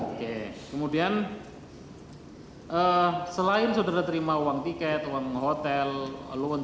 oke kemudian selain saudara terima uang tiket uang hotel loan